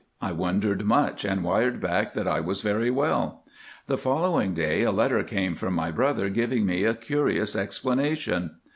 I wondered much, and wired back that I was very well. "The following day a letter came from my brother giving me a curious explanation.